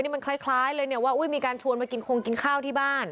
นี่คล้ายเลยว่ามีการชวนมากินโคงกินข้าวที่บ้าน